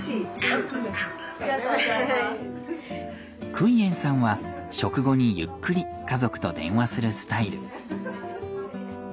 クイエンさんは食後にゆっくり家族と電話するスタイル。